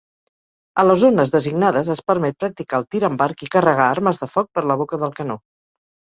A les zones designades es permet practicar el tir amb arc i carregar armes de foc per la boca del canó.